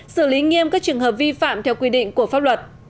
xử lý nghiêm các trường hợp vi phạm theo quy định của pháp luật